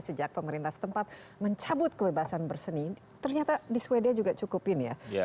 sejak pemerintah setempat mencabut kebebasan berseni ternyata di sweden juga cukupin ya